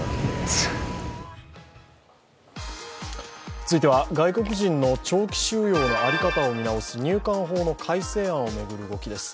続いては外国人の長期収容の在り方を見直す入管法の改正案を巡る動きです。